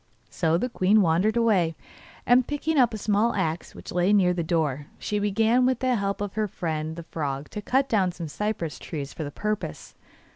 So the queen wandered away, and picking up a small axe which lay near the door she began with the help of her friend the frog to cut down some cypress trees for the purpose.